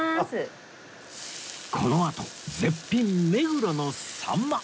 このあと絶品目黒のさんま